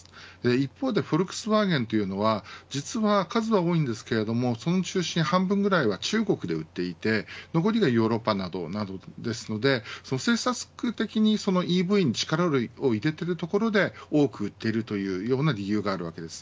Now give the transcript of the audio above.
一方でフォルクスワーゲンというのは実は数は多いんですけれどもその中心半分ぐらいは中国で売っていて残りはヨーロッパなどですので政策的にＥＶに力を入れているところで多く売っているという理由があるわけです。